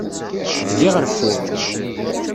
Bdiɣ reffuɣ.